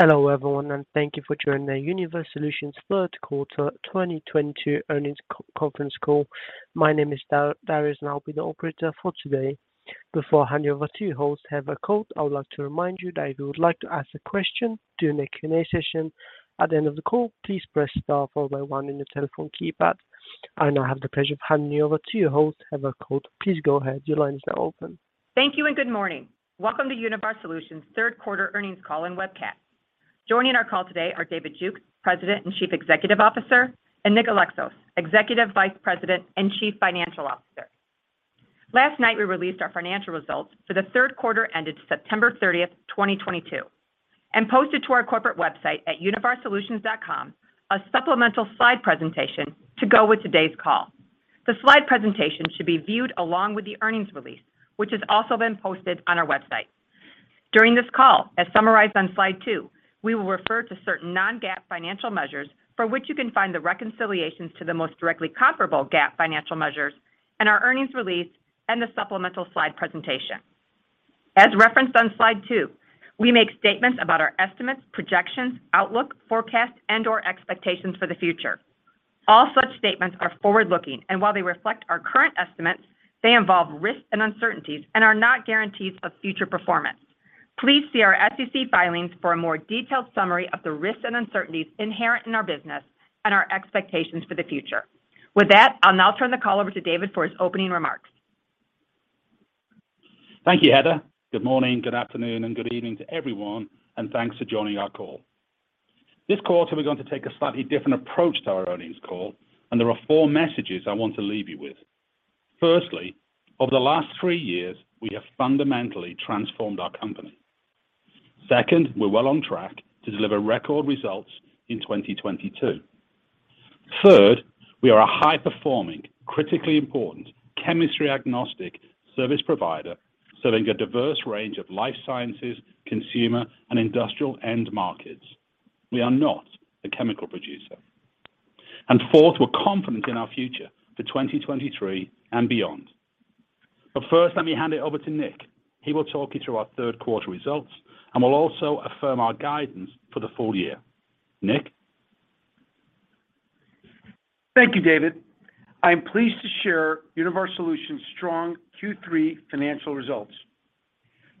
Hello everyone, and thank you for joining the Univar Solutions Third Quarter 2022 Earnings Conference Call. My name is Darius, and I'll be the operator for today. Before I hand you over to your hosts, Heather Kos, I would like to remind you that if you would like to ask a question during the Q&A session at the end of the call, please press star followed by one on your telephone keypad. I now have the pleasure of handing you over to your host, Heather Kos. Please go ahead. Your line is now open. Thank you and good morning. Welcome to Univar Solutions third quarter earnings call and webcast. Joining our call today are David Jukes, President and Chief Executive Officer, and Nick Alexos, Executive Vice President and Chief Financial Officer. Last night, we released our financial results for the third quarter ended September 30, 2022, and posted to our corporate website at univarsolutions.com a supplemental slide presentation to go with today's call. The slide presentation should be viewed along with the earnings release, which has also been posted on our website. During this call, as summarized on slide 2, we will refer to certain non-GAAP financial measures for which you can find the reconciliations to the most directly comparable GAAP financial measures in our earnings release and the supplemental slide presentation. As referenced on slide 2, we make statements about our estimates, projections, outlook, forecast, and/or expectations for the future. All such statements are forward-looking, and while they reflect our current estimates, they involve risks and uncertainties and are not guarantees of future performance. Please see our SEC filings for a more detailed summary of the risks and uncertainties inherent in our business and our expectations for the future. With that, I'll now turn the call over to David for his opening remarks. Thank you, Heather. Good morning, good afternoon, and good evening to everyone, and thanks for joining our call. This quarter, we're going to take a slightly different approach to our earnings call, and there are four messages I want to leave you with. Firstly, over the last three years, we have fundamentally transformed our company. Second, we're well on track to deliver record results in 2022. Third, we are a high-performing, critically important, chemistry-agnostic service provider serving a diverse range of life sciences, consumer, and industrial end markets. We are not a chemical producer. Fourth, we're confident in our future for 2023 and beyond. First, let me hand it over to Nick. He will talk you through our third quarter results and will also affirm our guidance for the full year. Nick? Thank you, David. I am pleased to share Univar Solutions' strong Q3 financial results.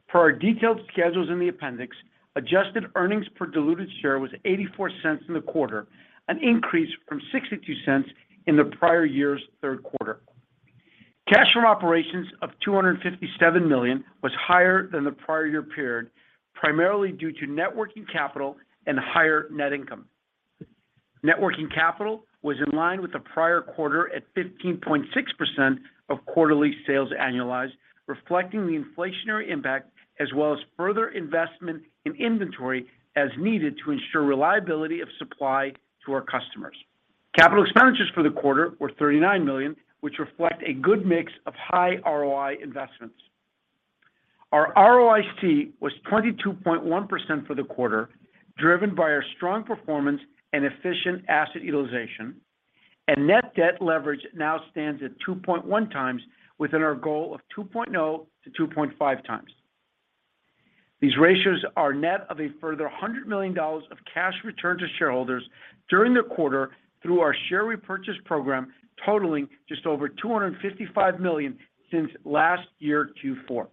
Per our detailed schedules in the appendix, adjusted earnings per diluted share was $0.84 in the quarter, an increase from $0.62 in the prior year's third quarter. Cash from operations of $257 million was higher than the prior year period, primarily due to net working capital and higher net income. Net working capital was in line with the prior quarter at 15.6% of quarterly sales annualized, reflecting the inflationary impact as well as further investment in inventory as needed to ensure reliability of supply to our customers. Capital expenditures for the quarter were $39 million, which reflect a good mix of high ROI investments. Our ROIC was 22.1 for the quarter, driven by our strong performance and efficient asset utilization. Net debt leverage now stands at 2.1 times within our goal of 2.0-2.5 times. These ratios are net of a further $100 million of cash returned to shareholders during the quarter through our share repurchase program, totaling just over $255 million since last year Q4.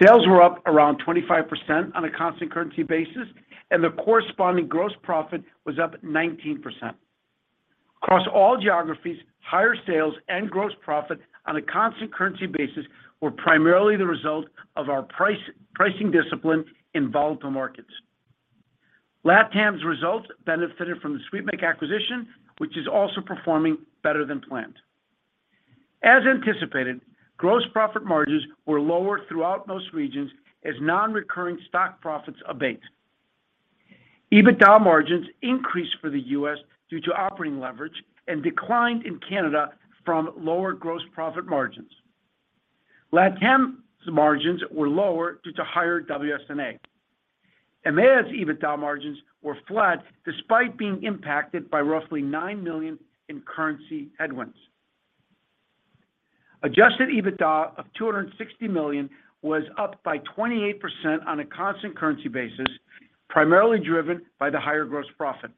Sales were up around 25% on a constant currency basis, and the corresponding gross profit was up 19%. Across all geographies, higher sales and gross profit on a constant currency basis were primarily the result of our pricing discipline in volatile markets. LATAM's results benefited from the Seetmix acquisition, which is also performing better than planned. As anticipated, gross profit margins were lower throughout most regions as non-recurring stock profits abate. EBITDA margins increased for the U.S. due to operating leverage and declined in Canada from lower gross profit margins. LATAM's margins were lower due to higher WS&A. EMEA's EBITDA margins were flat despite being impacted by roughly $9 million in currency headwinds. Adjusted EBITDA of $260 million was up by 28% on a constant currency basis, primarily driven by the higher gross profit.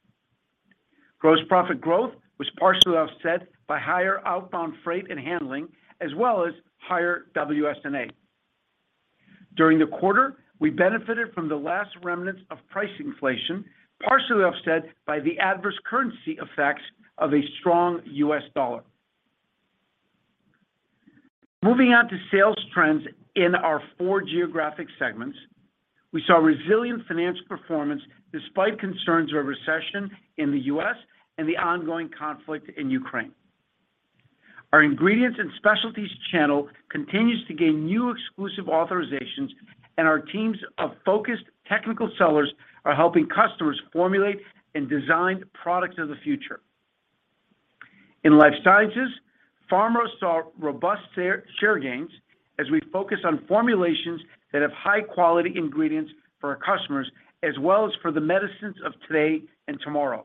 Gross profit growth was partially offset by higher outbound freight and handling as well as higher WS&A. During the quarter, we benefited from the last remnants of price inflation, partially offset by the adverse currency effects of a strong U.S. dollar. Moving on to sales trends in our four geographic segments, we saw resilient financial performance despite concerns of a recession in the U.S. and the ongoing conflict in Ukraine. Our Ingredients & Specialties channel continues to gain new exclusive authorizations and our teams of focused technical sellers are helping customers formulate and design the products of the future. In life sciences, pharma saw robust share gains as we focus on formulations that have high-quality ingredients for our customers as well as for the medicines of today and tomorrow.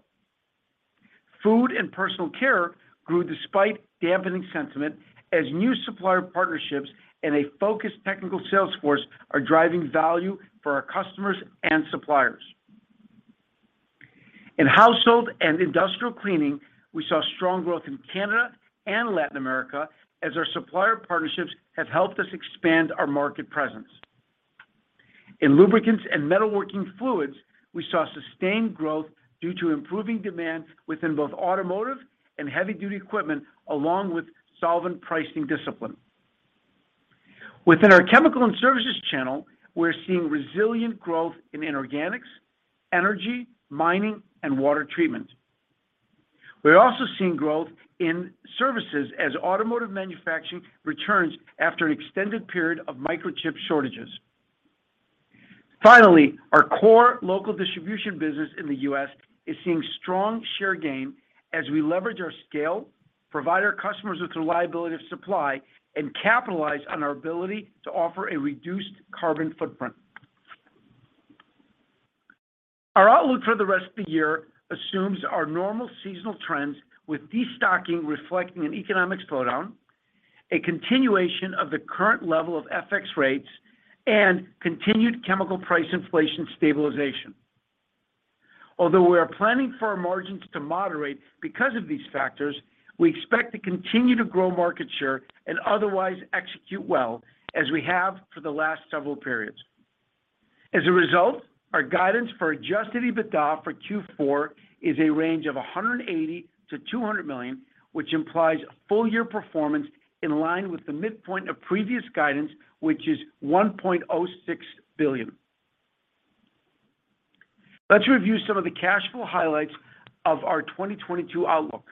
Food and personal care grew despite dampening sentiment as new supplier partnerships and a focused technical sales force are driving value for our customers and suppliers. In household and industrial cleaning, we saw strong growth in Canada and Latin America as our supplier partnerships have helped us expand our market presence. In lubricants and metalworking fluids, we saw sustained growth due to improving demand within both automotive and heavy-duty equipment, along with solvent pricing discipline. Within our chemical and services channel, we're seeing resilient growth in inorganics, energy, mining, and water treatment. We're also seeing growth in services as automotive manufacturing returns after an extended period of microchip shortages. Finally, our core local distribution business in the U.S. is seeing strong share gain as we leverage our scale, provide our customers with reliability of supply, and capitalize on our ability to offer a reduced carbon footprint. Our outlook for the rest of the year assumes our normal seasonal trends with destocking reflecting an economic slowdown, a continuation of the current level of FX rates, and continued chemical price inflation stabilization. Although we are planning for our margins to moderate because of these factors, we expect to continue to grow market share and otherwise execute well as we have for the last several periods. As a result, our guidance for Adjusted EBITDA for Q4 is a range of $180 million-$200 million, which implies a full year performance in line with the midpoint of previous guidance, which is $1.06 billion. Let's review some of the cash flow highlights of our 2022 outlook.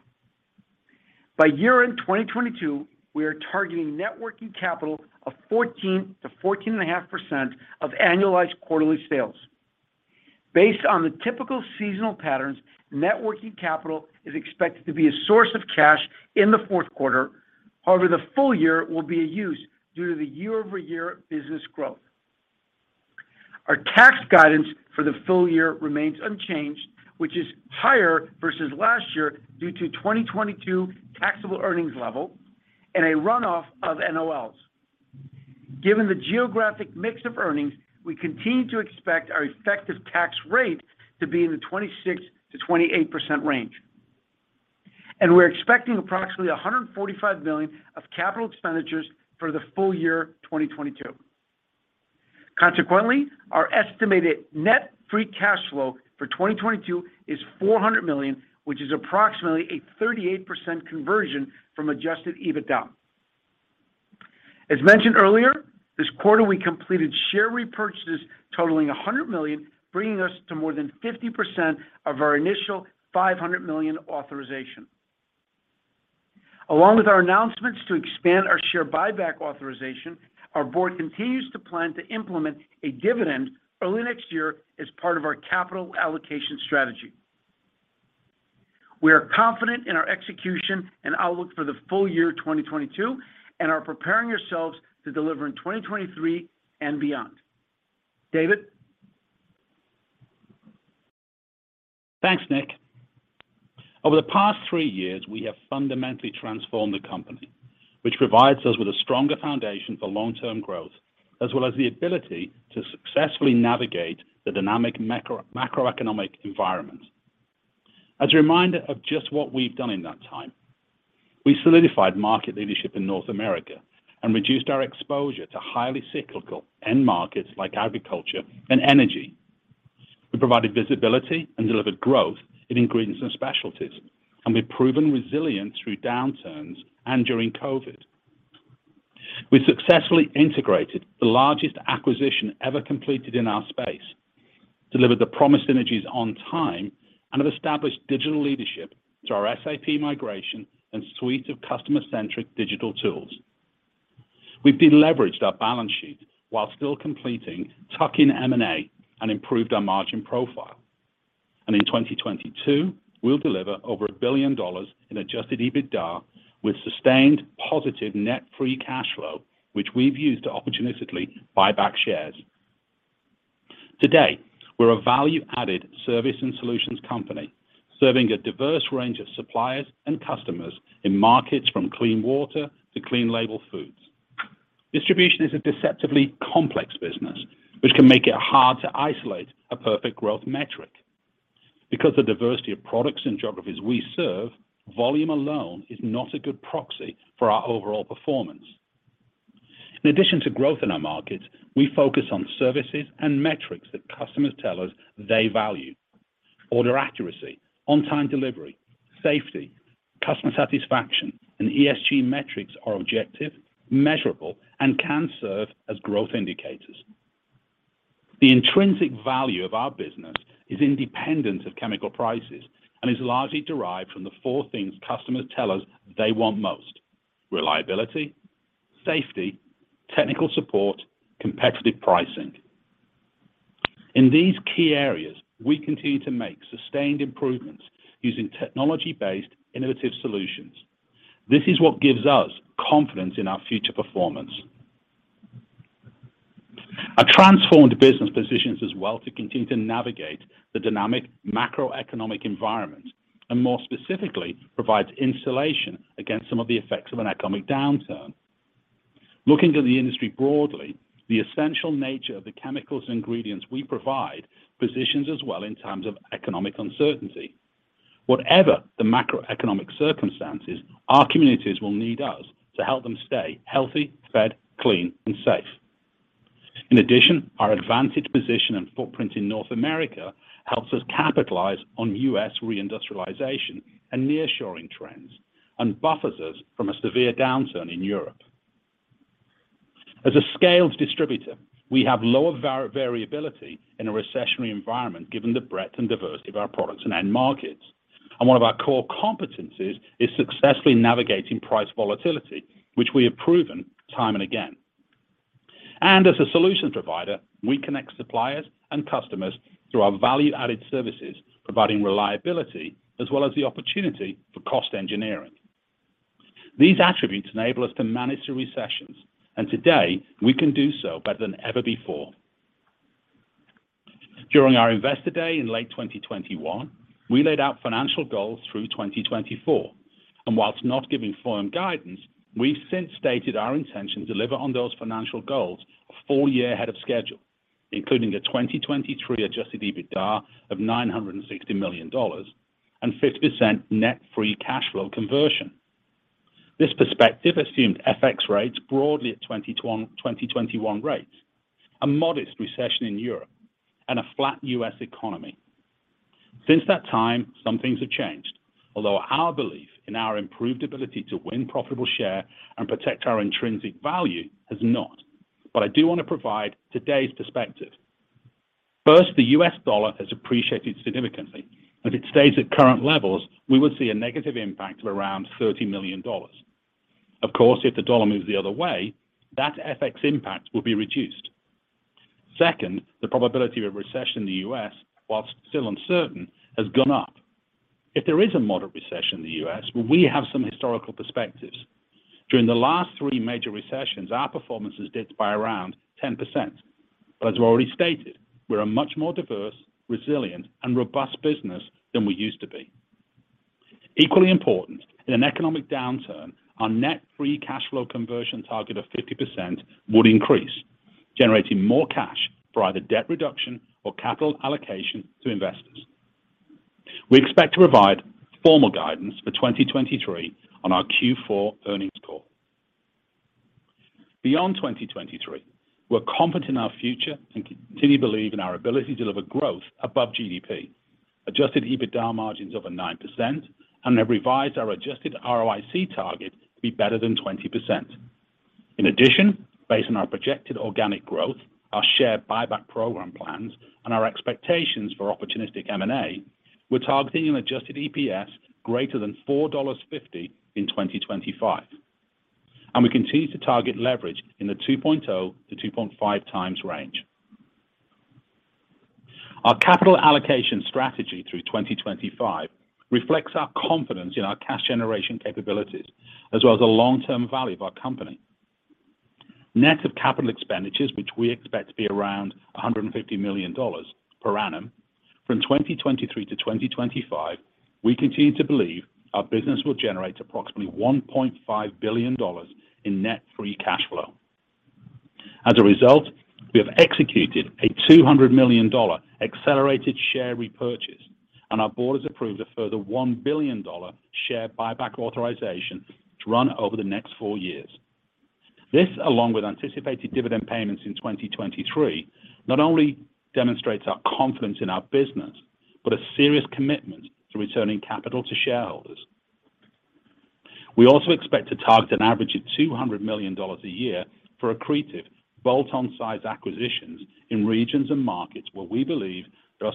By year-end 2022, we are targeting net working capital of 14%-14.5% of annualized quarterly sales. Based on the typical seasonal patterns, net working capital is expected to be a source of cash in the fourth quarter. However, the full year will be a use due to the year-over-year business growth. Our tax guidance for the full year remains unchanged, which is higher versus last year due to 2022 taxable earnings level and a runoff of NOLs. Given the geographic mix of earnings, we continue to expect our effective tax rate to be in the 26%-28% range. We're expecting approximately $145 million of capital expenditures for the full year 2022. Consequently, our estimated net free cash flow for 2022 is $400 million, which is approximately a 38% conversion from Adjusted EBITDA. As mentioned earlier, this quarter we completed share repurchases totaling $100 million, bringing us to more than 50% of our initial $500 million authorization. Along with our announcements to expand our share buyback authorization, our board continues to plan to implement a dividend early next year as part of our capital allocation strategy. We are confident in our execution and outlook for the full year 2022, and are preparing ourselves to deliver in 2023 and beyond. David? Thanks, Nick. Over the past three years, we have fundamentally transformed the company, which provides us with a stronger foundation for long-term growth, as well as the ability to successfully navigate the dynamic macroeconomic environment. As a reminder of just what we've done in that time, we solidified market leadership in North America and reduced our exposure to highly cyclical end markets like agriculture and energy. We provided visibility and delivered growth in Ingredients & Specialties, and we've proven resilient through downturns and during COVID. We successfully integrated the largest acquisition ever completed in our space, delivered the promised synergies on time, and have established digital leadership through our SAP migration and suite of customer-centric digital tools. We've de-leveraged our balance sheet while still completing tuck-in M&A and improved our margin profile. In 2022, we'll deliver over $1 billion in Adjusted EBITDA with sustained positive net free cash flow, which we've used to opportunistically buy back shares. Today, we're a value-added service and solutions company, serving a diverse range of suppliers and customers in markets from clean water to clean label foods. Distribution is a deceptively complex business, which can make it hard to isolate a perfect growth metric. Because the diversity of products and geographies we serve, volume alone is not a good proxy for our overall performance. In addition to growth in our markets, we focus on services and metrics that customers tell us they value. Order accuracy, on-time delivery, safety, customer satisfaction, and ESG metrics are objective, measurable, and can serve as growth indicators. The intrinsic value of our business is independent of chemical prices and is largely derived from the four things customers tell us they want most, reliability, safety, technical support, competitive pricing. In these key areas, we continue to make sustained improvements using technology-based innovative solutions. This is what gives us confidence in our future performance. Our transformed business positions us well to continue to navigate the dynamic macroeconomic environment and more specifically, provides insulation against some of the effects of an economic downturn. Looking to the industry broadly, the essential nature of the chemicals and ingredients we provide positions us well in times of economic uncertainty. Whatever the macroeconomic circumstances, our communities will need us to help them stay healthy, fed, clean and safe. In addition, our advantaged position and footprint in North America helps us capitalize on U.S. re-industrialization and nearshoring trends and buffers us from a severe downturn in Europe. As a scaled distributor, we have lower variability in a recessionary environment given the breadth and diversity of our products and end markets. One of our core competencies is successfully navigating price volatility, which we have proven time and again. As a solution provider, we connect suppliers and customers through our value-added services, providing reliability as well as the opportunity for cost engineering. These attributes enable us to manage through recessions, and today we can do so better than ever before. During our Investor Day in late 2021, we laid out financial goals through 2024, and while not giving forward guidance, we've since stated our intention to deliver on those financial goals a full year ahead of schedule, including a 2023 Adjusted EBITDA of $960 million and 50% net free cash flow conversion. This perspective assumed FX rates broadly at 2021 rates, a modest recession in Europe, and a flat U.S. economy. Since that time, some things have changed, although our belief in our improved ability to win profitable share and protect our intrinsic value has not. I do want to provide today's perspective. First, the U.S. dollar has appreciated significantly. If it stays at current levels, we will see a negative impact of around $30 million. Of course, if the dollar moves the other way, that FX impact will be reduced. Second, the probability of a recession in the U.S., while still uncertain, has gone up. If there is a moderate recession in the U.S., we have some historical perspectives. During the last three major recessions, our performance has dipped by around 10%. As we already stated, we're a much more diverse, resilient and robust business than we used to be. Equally important, in an economic downturn, our net free cash flow conversion target of 50% would increase, generating more cash for either debt reduction or capital allocation to investors. We expect to provide formal guidance for 2023 on our Q4 earnings call. Beyond 2023, we're confident in our future and continue to believe in our ability to deliver growth above GDP, Adjusted EBITDA margins over 9% and have revised our Adjusted ROIC target to be better than 20%. In addition, based on our projected organic growth, our share buyback program plans and our expectations for opportunistic M&A, we're targeting an Adjusted EPS greater than $4.50 in 2025, and we continue to target leverage in the 2.0x-2.5x range. Our capital allocation strategy through 2025 reflects our confidence in our cash generation capabilities as well as the long-term value of our company. Net of capital expenditures, which we expect to be around $150 million per annum, from 2023 to 2025, we continue to believe our business will generate approximately $1.5 billion in net free cash flow. As a result, we have executed a $200 million accelerated share repurchase, and our board has approved a further $1 billion share buyback authorization to run over the next 4 years. This, along with anticipated dividend payments in 2023, not only demonstrates our confidence in our business, but a serious commitment to returning capital to shareholders. We also expect to target an average of $200 million a year for accretive bolt-on size acquisitions in regions and markets where we believe there are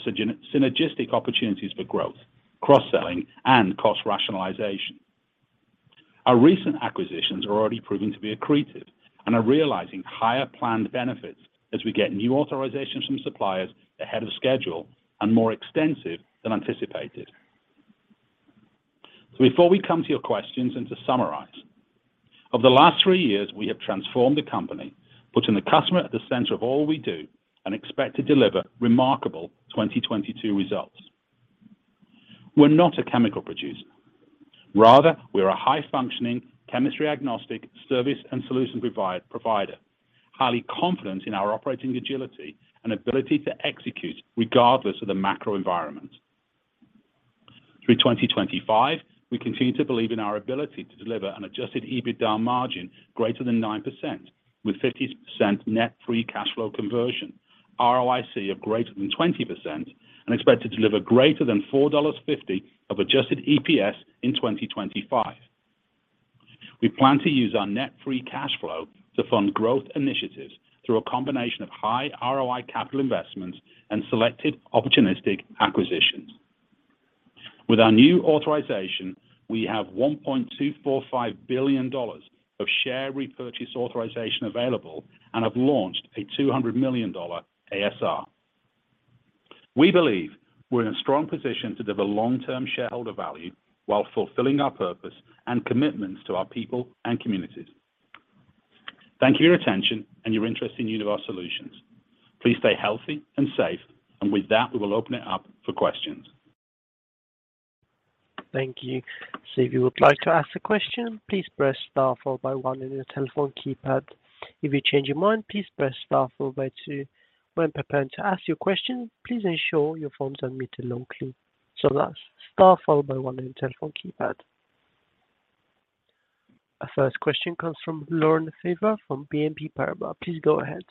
synergistic opportunities for growth, cross-selling and cost rationalization. Our recent acquisitions are already proving to be accretive and are realizing higher planned benefits as we get new authorizations from suppliers ahead of schedule and more extensive than anticipated. Before we come to your questions and to summarize, over the last three years we have transformed the company, putting the customer at the center of all we do and expect to deliver remarkable 2022 results. We're not a chemical producer. Rather, we are a high functioning, chemistry agnostic service and solution provider, highly confident in our operating agility and ability to execute regardless of the macro environment. Through 2025, we continue to believe in our ability to deliver an Adjusted EBITDA margin greater than 9%, with 50% net free cash flow conversion, ROIC of greater than 20% and expect to deliver greater than $4.50 of adjusted EPS in 2025. We plan to use our net free cash flow to fund growth initiatives through a combination of high ROI capital investments and selected opportunistic acquisitions. With our new authorization, we have $1.245 billion of share repurchase authorization available and have launched a $200 million ASR. We believe we're in a strong position to deliver long-term shareholder value while fulfilling our purpose and commitments to our people and communities. Thank you for your attention and your interest in Univar Solutions. Please stay healthy and safe. With that, we will open it up for questions. Thank you. If you would like to ask a question, please press star followed by one on your telephone keypad. If you change your mind, please press star followed by two. When preparing to ask your question, please ensure your phone is not on mute, and please. That's star followed by one on your telephone keypad. Our first question comes from Laurent Favre from BNP Paribas. Please go ahead.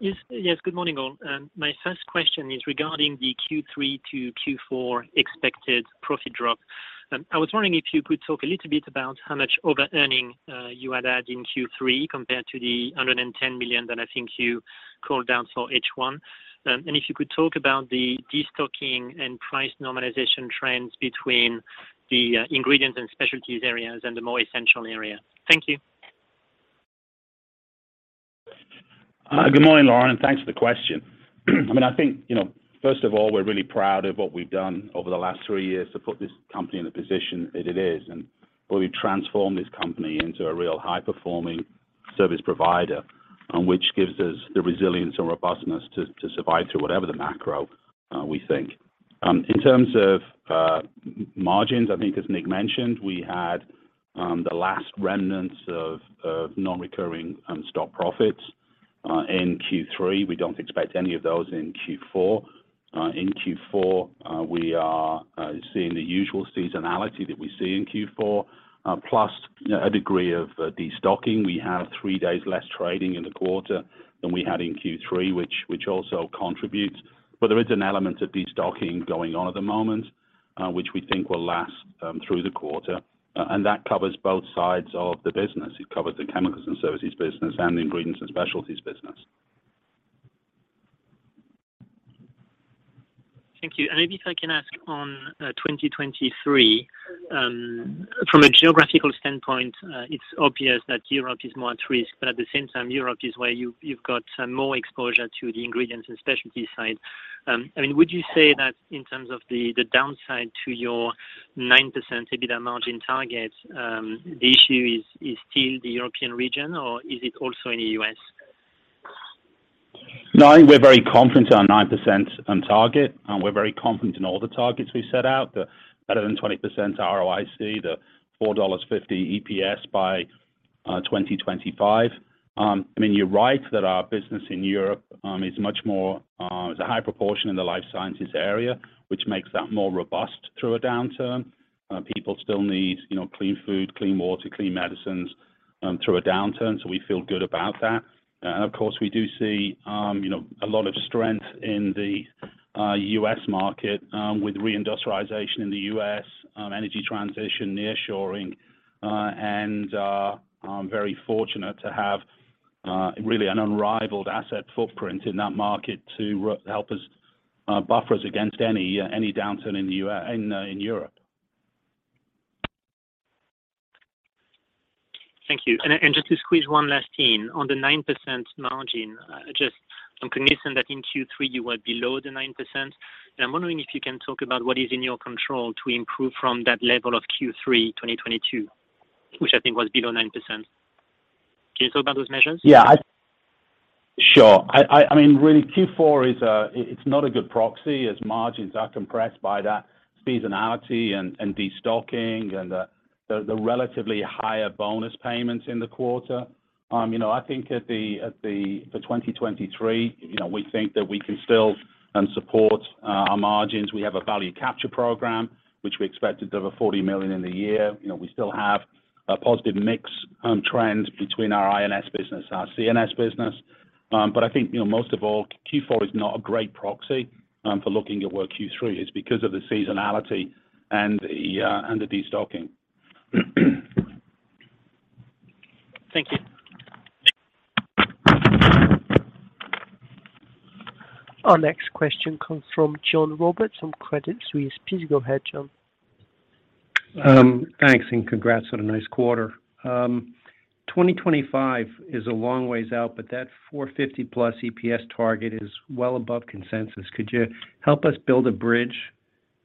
Yes. Good morning, all. My first question is regarding the Q3 to Q4 expected profit drop. I was wondering if you could talk a little bit about how much overearning you had had in Q3 compared to the $110 million that I think you called down for H1. If you could talk about the destocking and price normalization trends between the ingredient and specialties areas and the more essential area. Thank you. Good morning, Laurent, and thanks for the question. I mean, I think, you know, first of all, we're really proud of what we've done over the last three years to put this company in the position that it is and where we've transformed this company into a real high-performing service provider, which gives us the resilience and robustness to survive through whatever the macro, we think. In terms of margins, I think as Nick mentioned, we had the last remnants of non-recurring stock profits in Q3. We don't expect any of those in Q4. In Q4, we are seeing the usual seasonality that we see in Q4, plus, you know, a degree of destocking. We have three days less trading in the quarter than we had in Q3, which also contributes. There is an element of destocking going on at the moment, which we think will last through the quarter, and that covers both sides of the business. It covers the chemicals and services business and the Ingredients & Specialties business. Thank you. Maybe if I can ask on 2023, from a geographical standpoint, it's obvious that Europe is more at risk, but at the same time, Europe is where you've got some more exposure to the ingredients and specialty side. I mean, would you say that in terms of the downside to your 9% EBITDA margin target, the issue is still the European region or is it also in the U.S.? No, I think we're very confident on 9% on target, and we're very confident in all the targets we set out, the better than 20% ROIC, the $4.50 EPS by 2025. I mean, you're right that our business in Europe is much more a high proportion in the life sciences area, which makes that more robust through a downturn. People still need, you know, clean food, clean water, clean medicines through a downturn, so we feel good about that. Of course, we do see, you know, a lot of strength in the U.S. market with reindustrialization in the U.S., energy transition, nearshoring, and very fortunate to have really an unrivaled asset footprint in that market to help us buffer against any downturn in Europe. Thank you. Just to squeeze one last in, on the 9% margin, just I'm cognizant that in Q3 you were below the 9%. I'm wondering if you can talk about what is in your control to improve from that level of Q3 2022, which I think was below 9%. Can you talk about those measures? Sure. I mean, really Q4 is, it's not a good proxy as margins are compressed by that seasonality and destocking and the relatively higher bonus payments in the quarter. You know, I think for 2023, you know, we think that we can still support our margins. We have a value capture program, which we expect to deliver $40 million in the year. You know, we still have a positive mix trend between our INS business and our CNS business. I think, you know, most of all, Q4 is not a great proxy for looking at where Q3 is because of the seasonality and the destocking. Thank you. Our next question comes from John Roberts from Credit Suisse. Please go ahead, John. Thanks and congrats on a nice quarter. 2025 is a long ways out, but that $4.50+ EPS target is well above consensus. Could you help us build a bridge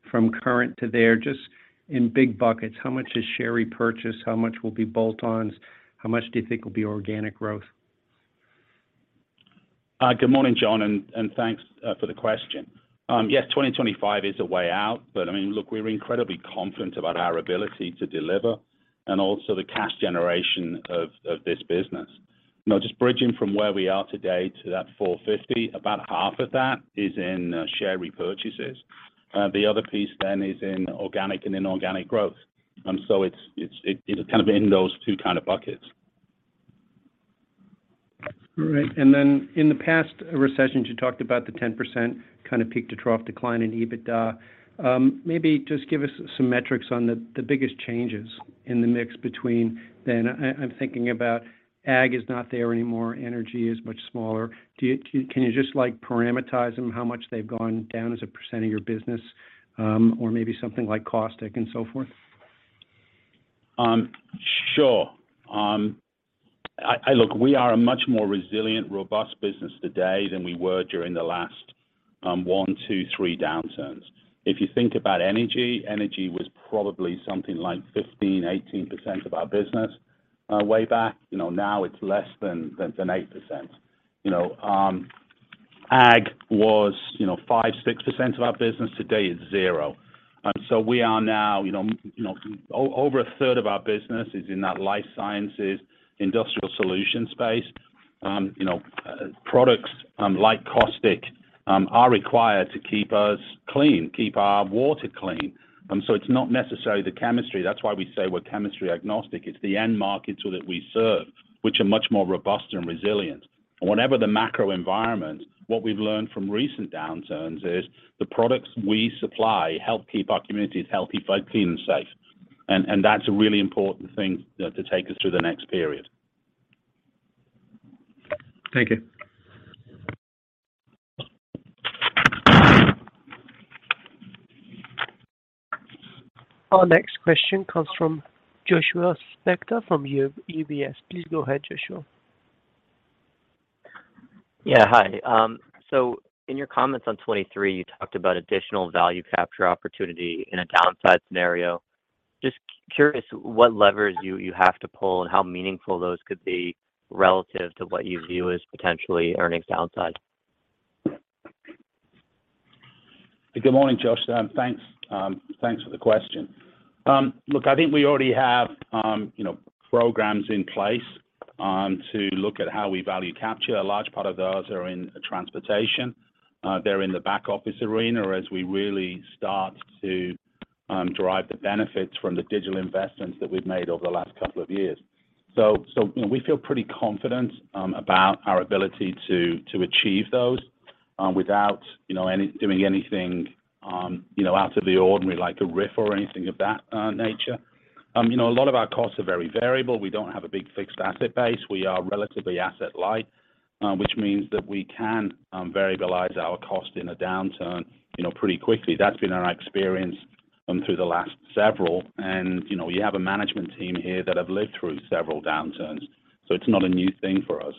from current to there just in big buckets? How much is share repurchase? How much will be bolt-ons? How much do you think will be organic growth? Good morning, John, and thanks for the question. Yes, 2025 is a way out, but I mean, look, we're incredibly confident about our ability to deliver and also the cash generation of this business. You know, just bridging from where we are today to that $450, about half of that is in share repurchases. The other piece then is in organic and inorganic growth. It's kind of in those two kind of buckets. All right. Then in the past recessions, you talked about the 10% kind of peak-to-trough decline in EBITDA. Maybe just give us some metrics on the biggest changes in the mix between then. I'm thinking about ag is not there anymore, energy is much smaller. Can you just like parameterize them, how much they've gone down as a percent of your business, or maybe something like caustic and so forth? Sure. Look, we are a much more resilient, robust business today than we were during the last 1, 2, 3 downturns. If you think about energy was probably something like 15%-18% of our business way back. You know, now it's less than 8%. You know, ag was 5%-6% of our business. Today, it's zero. So we are now, you know, over a third of our business is in that life sciences industrial solution space. You know, products like caustic are required to keep us clean, keep our water clean. So it's not necessarily the chemistry. That's why we say we're chemistry-agnostic. It's the end markets that we serve, which are much more robust and resilient. Whatever the macro environment, what we've learned from recent downturns is the products we supply help keep our communities healthy, both clean, and safe. That's a really important thing to take us through the next period. Thank you. Our next question comes from Joshua Spector from UBS. Please go ahead, Joshua. Yeah, hi. In your comments on 2023, you talked about additional value capture opportunity in a downside scenario. Just curious what levers you have to pull and how meaningful those could be relative to what you view as potentially earnings downside. Good morning, Joshua. Thanks for the question. Look, I think we already have, you know, programs in place to look at how we value capture. A large part of those are in transportation. They're in the back office arena as we really start to derive the benefits from the digital investments that we've made over the last couple of years. So, you know, we feel pretty confident about our ability to achieve those without, you know, doing anything out of the ordinary, like a RIF or anything of that nature. You know, a lot of our costs are very variable. We don't have a big fixed asset base. We are relatively asset light, which means that we can variabilize our cost in a downturn, you know, pretty quickly. That's been our experience through the last several. You know, you have a management team here that have lived through several downturns, so it's not a new thing for us.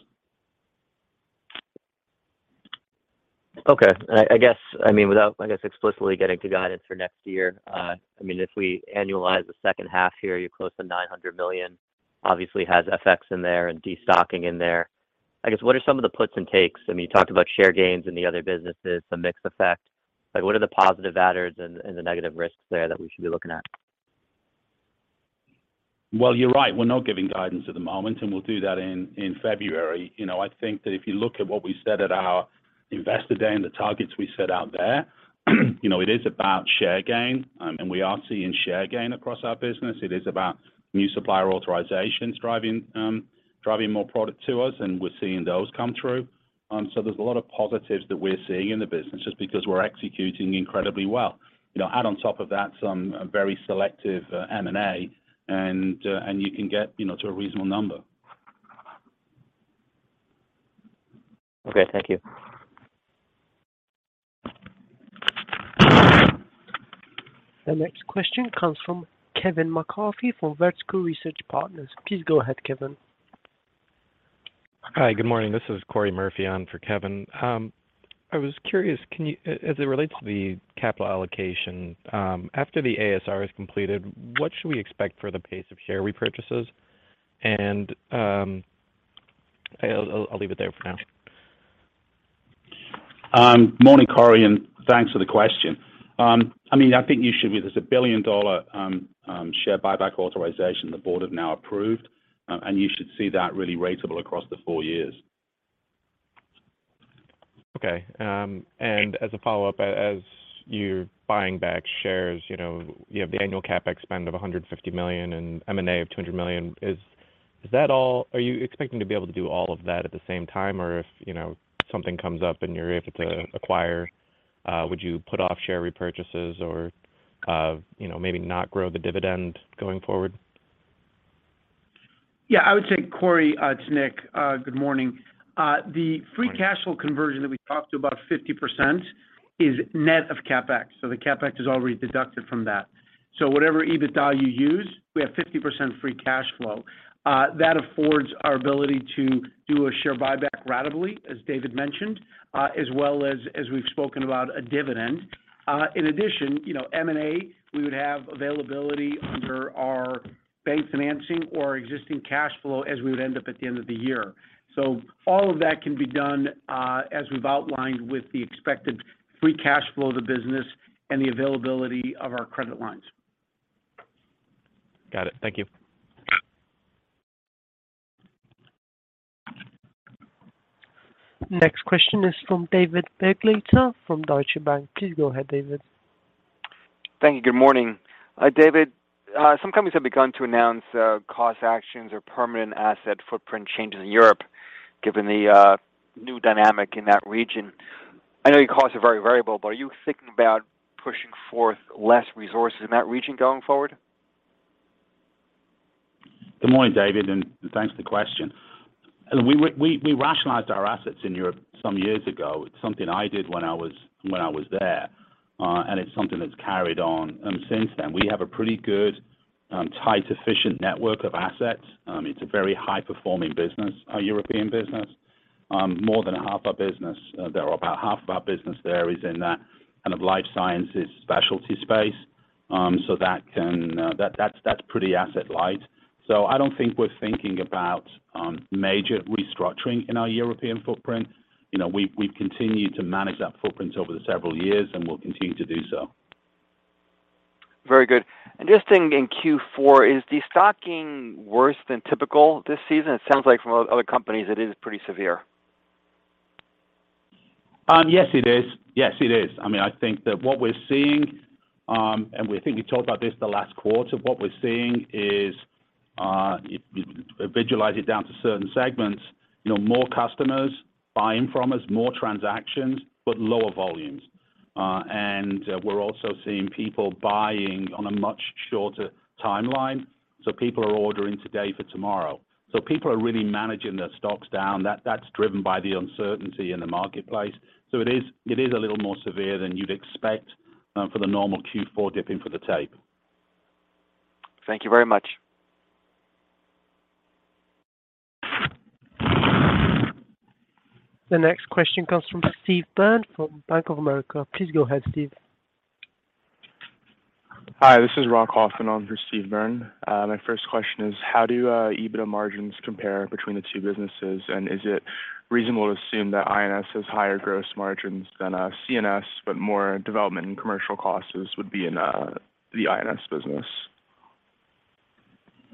Okay. I guess, I mean, without, I guess, explicitly getting to guidance for next year, I mean, if we annualize the second half here, you're close to $900 million. Obviously, it has effects in there and destocking in there. I guess, what are some of the puts and takes? I mean, you talked about share gains in the other businesses, the mix effect. Like, what are the positive adders and the negative risks there that we should be looking at? Well, you're right. We're not giving guidance at the moment, and we'll do that in February. You know, I think that if you look at what we said at our Investor Day and the targets we set out there, you know, it is about share gain, and we are seeing share gain across our business. It is about new supplier authorizations driving more product to us, and we're seeing those come through. There's a lot of positives that we're seeing in the business just because we're executing incredibly well. You know, add on top of that some very selective M&A and you can get, you know, to a reasonable number. Okay, thank you. The next question comes from Kevin McCarthy for Vertical Research Partners. Please go ahead, Kevin. Hi. Good morning. This is Cory Murphy on for Kevin. I was curious, as it relates to the capital allocation, after the ASR is completed, what should we expect for the pace of share repurchases? I'll leave it there for now. Morning, Cory, and thanks for the question. I mean, there's a billion-dollar share buyback authorization the board have now approved, and you should see that really ratable across the four years. Okay. As a follow up, as you're buying back shares, you know, you have the annual CapEx spend of $150 million and M&A of $200 million. Is that all? Are you expecting to be able to do all of that at the same time? Or if, you know, something comes up and you're able to acquire, would you put off share repurchases or, you know, maybe not grow the dividend going forward? Yeah, I would say, Cory, it's Nick. Good morning. The free cash flow conversion that we talked about 50% is net of CapEx, so the CapEx is already deducted from that. So whatever EBITDA you use, we have 50% free cash flow. That affords our ability to do a share buyback ratably, as David mentioned, as well as we've spoken about a dividend. In addition, you know, M&A, we would have availability under our bank financing or existing cash flow as we would end up at the end of the year. So all of that can be done, as we've outlined with the expected free cash flow of the business and the availability of our credit lines. Got it. Thank you. Next question is from David Begleiter from Deutsche Bank. Please go ahead, David. Thank you. Good morning. David, some companies have begun to announce cost actions or permanent asset footprint changes in Europe, given the new dynamic in that region. I know your costs are very variable, but are you thinking about pushing forth less resources in that region going forward? Good morning, David, and thanks for the question. We rationalized our assets in Europe some years ago. It's something I did when I was there, and it's something that's carried on. Since then, we have a pretty good tight, efficient network of assets. It's a very high-performing business, our European business. More than half our business or about half of our business there is in that kind of life sciences specialty space. That's pretty asset light. I don't think we're thinking about major restructuring in our European footprint. You know, we've continued to manage that footprint over the several years and will continue to do so. Very good. Just in Q4, is destocking worse than typical this season? It sounds like from other companies it is pretty severe. Yes, it is. I mean, I think that what we're seeing, and I think we talked about this the last quarter, what we're seeing is, if you visualize it down to certain segments, you know, more customers buying from us, more transactions, but lower volumes. We're also seeing people buying on a much shorter timeline, so people are ordering today for tomorrow. People are really managing their stocks down. That's driven by the uncertainty in the marketplace. It is a little more severe than you'd expect, for the normal Q4 dipping for the tape. Thank you very much. The next question comes from Steve Byrne from Bank of America. Please go ahead, Steve. Hi, this is Rock Hoffman on for Steve Byrne. My first question is, how do EBITDA margins compare between the two businesses? Is it reasonable to assume that INS has higher gross margins than CNS, but more development and commercial costs would be in the INS business?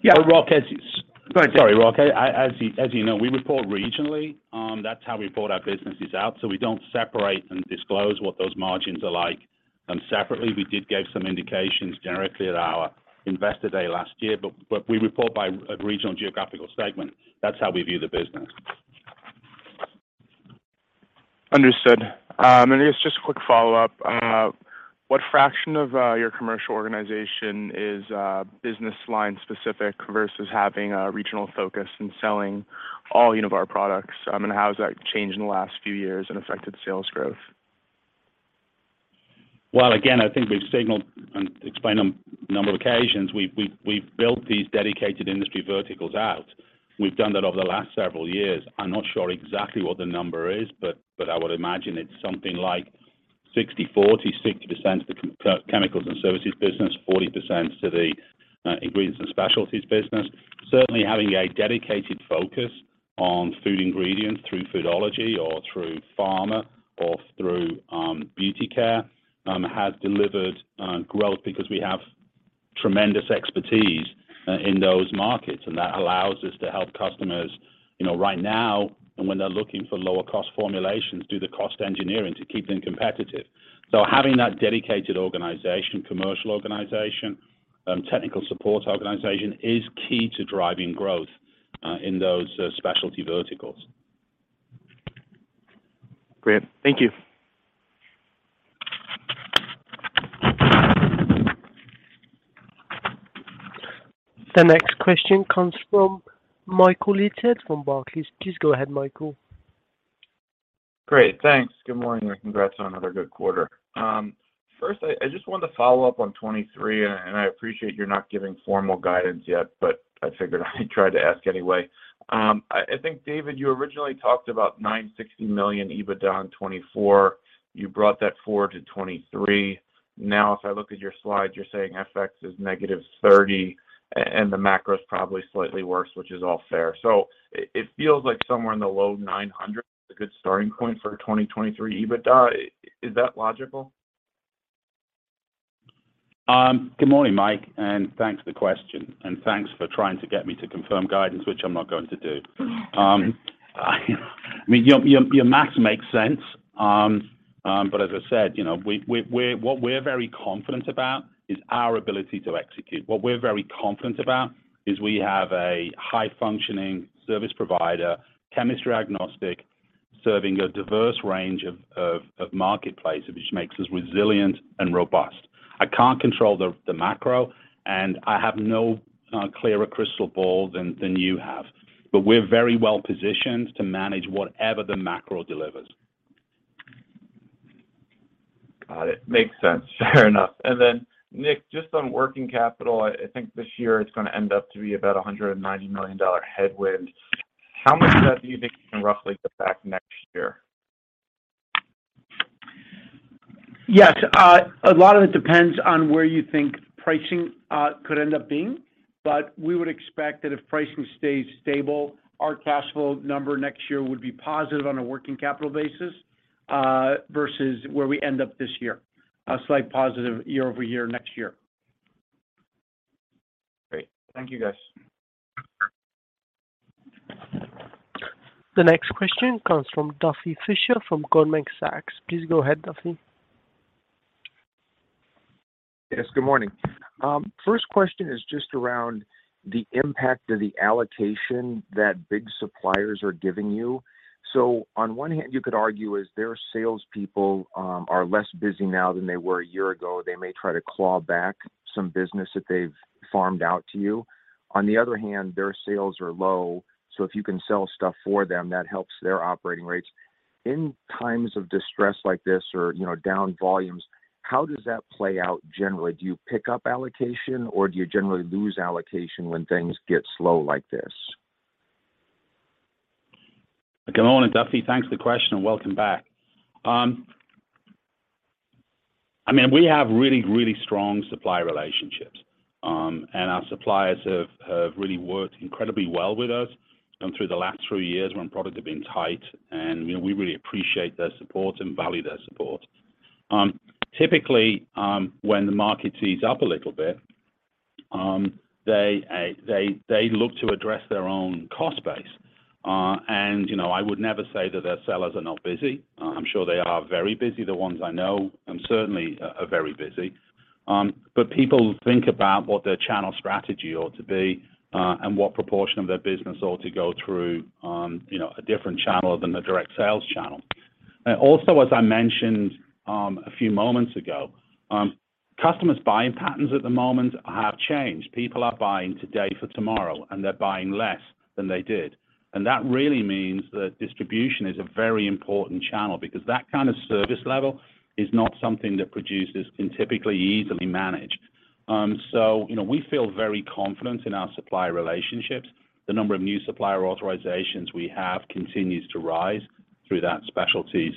Yeah- Rock, as you- Go ahead. Sorry, Rock. As you know, we report regionally. That's how we report our businesses out, so we don't separate and disclose what those margins are like. Separately, we did give some indications generally at our Investor Day last year, but we report by a regional geographical segment. That's how we view the business. Understood. I guess just a quick follow-up. What fraction of your commercial organization is business line specific versus having a regional focus and selling all Univar products? How has that changed in the last few years and affected sales growth? Well, again, I think we've signaled and explained on a number of occasions we've built these dedicated industry verticals out. We've done that over the last several years. I'm not sure exactly what the number is, but I would imagine it's something like 60/40. 60% to the chemicals and services business, 40% to the Ingredients & Specialties business. Certainly, having a dedicated focus on food ingredients through Foodology or through pharma or through beauty care has delivered growth because we have tremendous expertise in those markets. That allows us to help customers, you know, right now, and when they're looking for lower cost formulations, do the cost engineering to keep them competitive. Having that dedicated organization, commercial organization, technical support organization is key to driving growth in those specialty verticals. Great. Thank you. The next question comes from Michael Leithead from Barclays. Please go ahead, Michael. Great. Thanks. Good morning, and congrats on another good quarter. First, I just wanted to follow up on 2023, and I appreciate you're not giving formal guidance yet, but I figured I'd try to ask anyway. I think, David, you originally talked about $960 million EBITDA in 2024. You brought that forward to 2023. Now, if I look at your slide, you're saying FX is negative $30 million, and the macro is probably slightly worse, which is all fair. It feels like somewhere in the low $900 million is a good starting point for 2023 EBITDA. Is that logical? Good morning, Mike, and thanks for the question, and thanks for trying to get me to confirm guidance, which I'm not going to do. Okay. I mean, your math makes sense. As I said, you know, what we're very confident about is our ability to execute. What we're very confident about is we have a high-functioning service provider, chemistry agnostic, serving a diverse range of marketplace, which makes us resilient and robust. I can't control the macro, and I have no clearer crystal ball than you have. We're very well positioned to manage whatever the macro delivers. Got it. Makes sense. Fair enough. Nick, just on working capital, I think this year it's gonna end up to be about $190 million headwind. How much of that do you think you can roughly get back next year? Yes. A lot of it depends on where you think pricing could end up being. We would expect that if pricing stays stable, our cash flow number next year would be positive on a working capital basis versus where we end up this year. A slight positive year-over-year next year. Great. Thank you, guys. The next question comes from Duffy Fischer from Goldman Sachs. Please go ahead, Duffy. Yes, good morning. First question is just around the impact of the allocation that big suppliers are giving you. So on one hand, you could argue as their salespeople are less busy now than they were a year ago, they may try to claw back some business that they've farmed out to you. On the other hand, their sales are low, so if you can sell stuff for them, that helps their operating rates. In times of distress like this or, you know, down volumes, how does that play out generally? Do you pick up allocation or do you generally lose allocation when things get slow like this? Good morning, Duffy. Thanks for the question, and welcome back. I mean, we have really, really strong supplier relationships. Our suppliers have really worked incredibly well with us through the last three years when products have been tight, and you know, we really appreciate their support and value their support. Typically, when the market heats up a little bit, they look to address their own cost base. You know, I would never say that their sellers are not busy. I'm sure they are very busy, the ones I know, certainly are very busy. People think about what their channel strategy ought to be, and what proportion of their business ought to go through you know, a different channel than the direct sales channel. Also, as I mentioned, a few moments ago, customers' buying patterns at the moment have changed. People are buying today for tomorrow, and they're buying less than they did. That really means that distribution is a very important channel because that kind of service level is not something that producers can typically easily manage. You know, we feel very confident in our supplier relationships. The number of new supplier authorizations we have continues to rise through the specialties,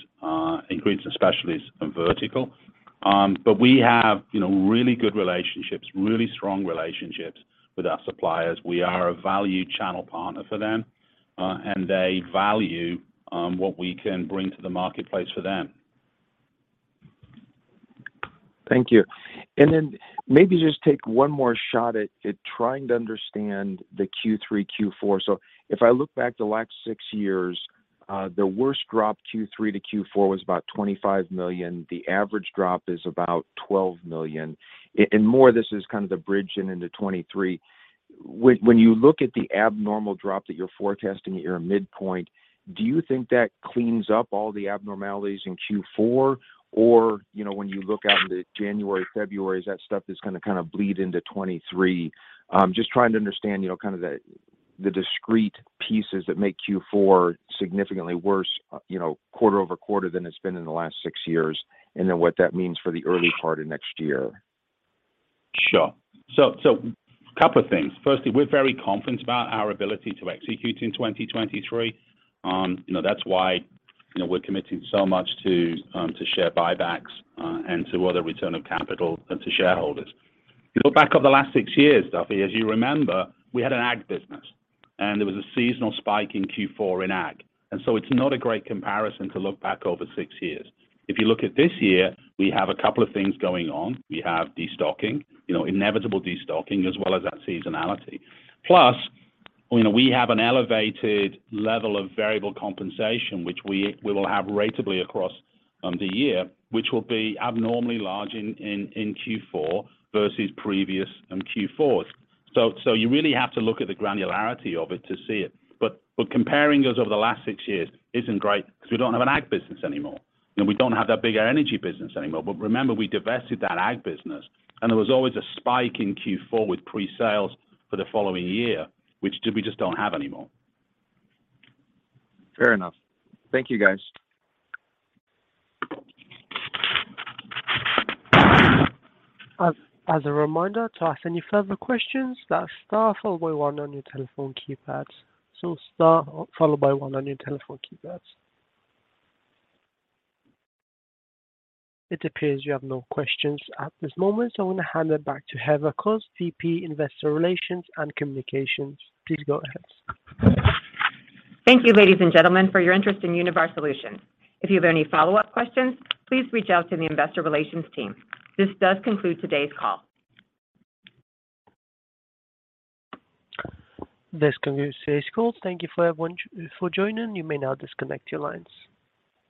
Ingredients & Specialties vertical. We have, you know, really good relationships, really strong relationships with our suppliers. We are a valued channel partner for them, and they value what we can bring to the marketplace for them. Thank you. Maybe just take one more shot at trying to understand the Q3, Q4. If I look back the last six years, the worst drop Q3 to Q4 was about $25 million. The average drop is about $12 million. More, this is kind of the bridge into 2023. When you look at the abnormal drop that you're forecasting at your midpoint, do you think that cleans up all the abnormalities in Q4? Or, you know, when you look out into January, February, is that stuff that's gonna kind of bleed into 2023? Just trying to understand, you know, kind of the discrete pieces that make Q4 significantly worse, you know, quarter-over-quarter than it's been in the last six years, and then what that means for the early part of next year. Sure. Couple of things. Firstly, we're very confident about our ability to execute in 2023. You know, that's why, you know, we're committing so much to share buybacks and to other return of capital to shareholders. If you look back over the last six years, Duffy, as you remember, we had an ag business, and there was a seasonal spike in Q4 in ag. It's not a great comparison to look back over six years. If you look at this year, we have a couple of things going on. We have destocking, you know, inevitable destocking, as well as that seasonality. Plus, you know, we have an elevated level of variable compensation, which we will have ratably across the year, which will be abnormally large in Q4 versus previous Q4s. You really have to look at the granularity of it to see it. Comparing us over the last six years isn't great because we don't have an ag business anymore. You know, we don't have that big energy business anymore. Remember, we divested that ag business, and there was always a spike in Q4 with pre-sales for the following year, which we just don't have anymore. Fair enough. Thank you, guys. As a reminder, to ask any further questions, dial star followed by one on your telephone keypads. Star followed by one on your telephone keypads. It appears you have no questions at this moment, so I'm gonna hand it back to Heather Kos, VP, Investor Relations and Communications. Please go ahead. Thank you, ladies and gentlemen, for your interest in Univar Solutions. If you have any follow-up questions, please reach out to the investor relations team. This does conclude today's call. This concludes today's call. Thank you for everyone for joining. You may now disconnect your lines.